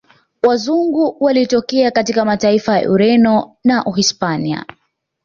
Wazungu walitokea katika mataifa ya Ureno na uhispania